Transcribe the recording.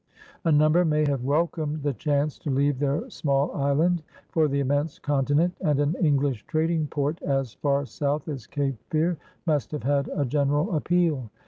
A number may have welcomed the chance to leave their small island for the inmiense continent; and an English trading port as far south as Cape Fear must have had a general appeal.